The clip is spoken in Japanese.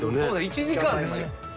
１時間ですよ・